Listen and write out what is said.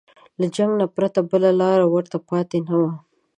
له جنګ نه پرته بله لاره ورته پاتې نه ده.